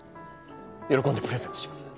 喜んでプレゼントします。